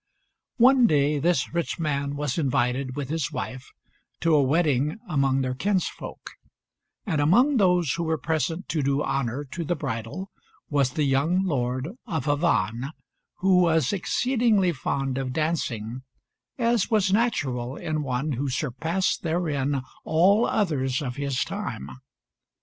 One day this rich man was invited with his wife to a wedding among their kinsfolk; and among those who were present to do honour to the bridal was the young Lord of Avannes, who was exceedingly fond of dancing, as was natural in one who surpassed therein all others of his time.